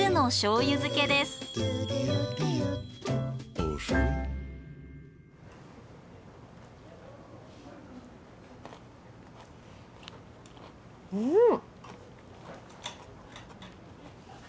うん。